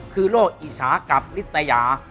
คือโรคอิจฉากับริสยา